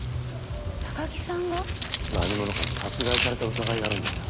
何者かに殺害された疑いがあるんですよ。